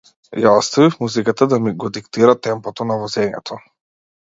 Ја оставив музиката да ми го диктира темпото на возењето.